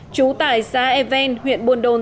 trú tại sa e ven huyện buồn đôn